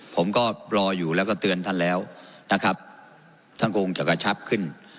ผมก็รออยู่แล้วก็เตือนท่านแล้วนะครับท่านคงจะกระชับขึ้น